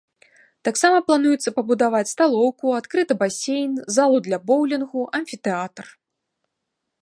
Таксама плануецца пабудаваць сталоўку, адкрыты басейн, залу для боўлінгу, амфітэатр.